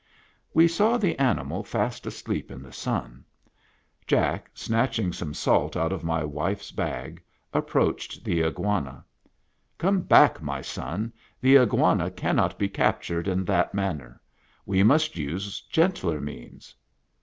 We saw the animal fast asleep in the sun. Jack, snatching some salt out of my wife's bag, approached the Iguana. " Come back, my son ; the Iguana cannot be cap tured in that manner. We must use gentler means."